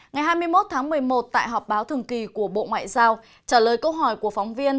ngày hai mươi một tháng một mươi một tại họp báo thường kỳ của bộ ngoại giao trả lời câu hỏi của phóng viên